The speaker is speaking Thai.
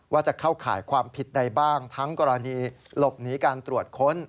จะเข้าข่ายความผิดใดบ้างทั้งกรณีหลบหนีการตรวจค้น